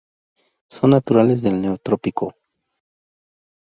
Son naturales del Neotrópico.